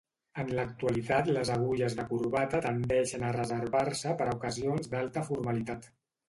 En l'actualitat les agulles de corbata tendeixen a reservar-se per a ocasions d'alta formalitat.